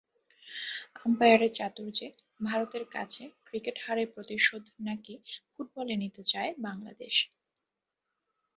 আম্পায়ারের চাতুর্যে ভারতের কাছে ক্রিকেটে হারের প্রতিশোধ নাকি ফুটবলে নিতে চায় বাংলাদেশ।